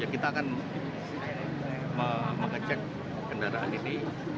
kita akan mengecek kendaraan ini